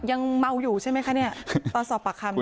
ยังเมาอยู่ใช่ไหมคะเนี่ยตอนสอบปากคำ